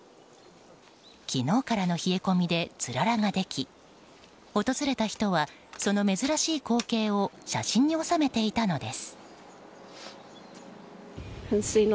昨日からの冷え込みでつららができ、訪れた人はその珍しい光景を写真に収めていたのです。